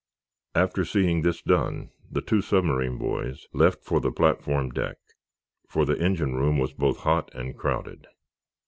After seeing this done, the two submarine boys left for the platform deck, for the engine room was both hot and crowded.